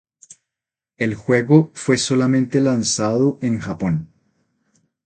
El juego fue solamente lanzado en Japón.